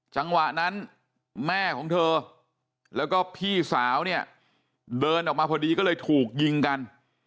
จังหวะนั้นแม่ของเธอแล้วก็พี่สาวเนี่ยเดินออกมาพอดีก็เลยถูกยิงกัน